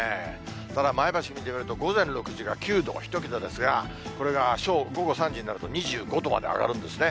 ただ前橋見てみると、午前６時が９度、１桁ですが、これが午後３時になると、２５度まで上がるんですね。